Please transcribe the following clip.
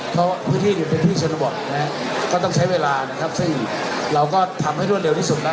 เพราะว่าพื้นที่อยู่ในพืชชนบทนะครับก็ต้องใช้เวลานะครับซึ่งเราก็ทำให้รวดเร็วที่สุดนะ